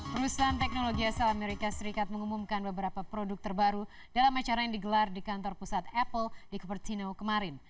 perusahaan teknologi as mengumumkan beberapa produk terbaru dalam acara yang digelar di kantor pusat apple di cupertino kemarin